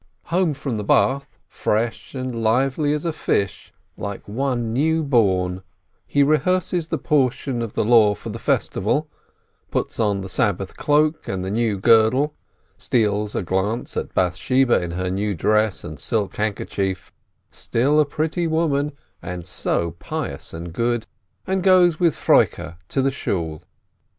Home from the bath, fresh and lively as a fish, like one newborn, he rehearses the portion of the Law for the festival, puts on the Sabbath cloak and the new girdle, steals a glance at Bath sheba in her new dress and silk kerchief — still a pretty woman, and so pious and good! — and goes with Froike to the Shool.